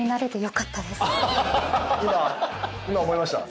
今思いました？